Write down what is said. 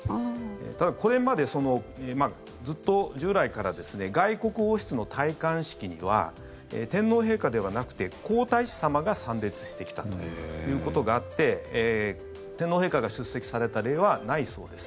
ただ、これまでずっと従来から外国王室の戴冠式には天皇陛下ではなくて皇太子さまが参列してきたということがあって天皇陛下が出席された例はないそうです。